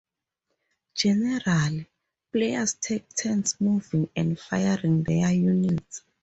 Generally, players take turns moving and firing their units.